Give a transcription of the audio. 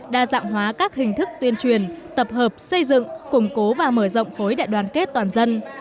đa dạng hóa các hình thức tuyên truyền tập hợp xây dựng củng cố và mở rộng khối đại đoàn kết toàn dân